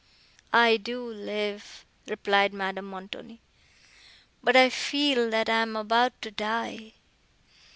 "I do live," replied Madame Montoni, "but—I feel that I am about to die."